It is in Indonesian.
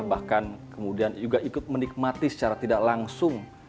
bahkan kemudian juga ikut menikmati secara tidak langsung